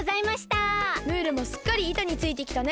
ムールもすっかりいたについてきたね。